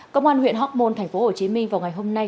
công an huyện hóc môn tp hcm vào ngày hôm nay